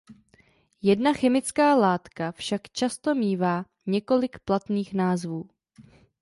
Jedna chemická látka však často mívá několik platných názvů.